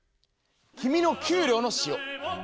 きみの給料の塩。